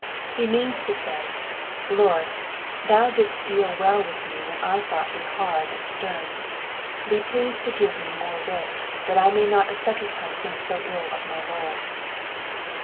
He means to say — Lord, thou didst deal well with me when I thought thee hard and st^rn, be pleased to give me more wit, that I may not a second time think so ill of my Lord.